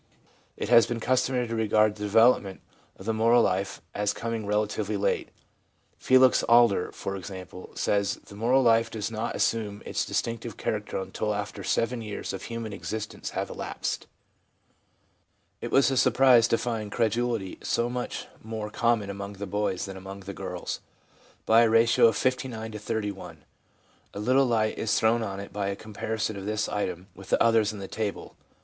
It has been customary to regard the development of the moral life as coming relatively late. Felix Adler, for example, says 'the moral life does not assume its distinctive character until after several years of human existence have elapsed/ 1 It was a surprise to find credulity so much more common among the boys than among the girls, by a ratio of 59 to 31. A little light is thrown on it by a comparison of this item with the others in the table.